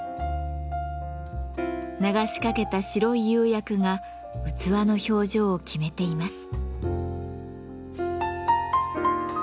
流しかけた白い釉薬が器の表情を決めています。